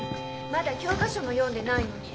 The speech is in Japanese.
まだ教科書も読んでないのに。